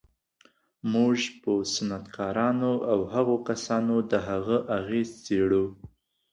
موږ پر صنعتکارانو او هغو کسانو د هغه اغېز څېړو